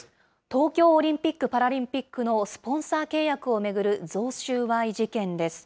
東京オリンピック・パラリンピックのスポンサー契約を巡る贈収賄事件です。